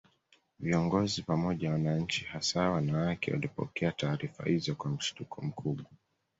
Viongozi pamoja na wananchi hasa wanawake walipokea taarifa hizo kwa mshtuko mkubwa